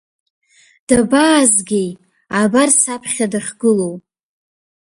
Дабаазгеи, абар саԥхьа дахьгылоу.